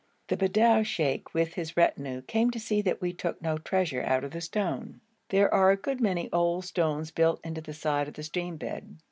The Bedou sheikh with his retinue came to see that we took no treasure out of the stone. There are a good many old stones built into the side of the stream bed.